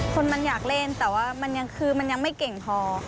คนมันอยากเล่นแต่ว่ามันยังคือมันยังไม่เก่งพอ